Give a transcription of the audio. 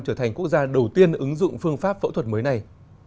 trở thành quốc gia đầu tiên ứng dụng phương pháp phẫu thuật mới này